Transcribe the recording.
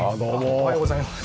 おはようございます。